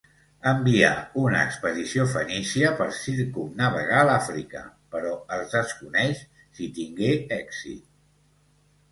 Envià una expedició fenícia per circumnavegar l'Àfrica, però es desconeix si tingué èxit.